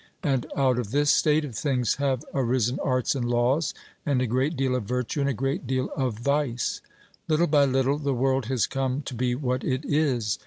And out of this state of things have arisen arts and laws, and a great deal of virtue and a great deal of vice; little by little the world has come to be what it is.